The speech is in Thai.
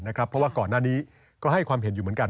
เพราะว่าก่อนหน้านี้ก็ให้ความเห็นอยู่เหมือนกัน